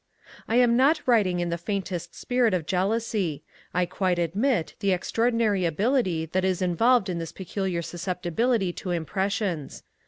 I am not writing in the faintest spirit of jealousy. I quite admit the extraordinary ability that is involved in this peculiar susceptibility to impressions.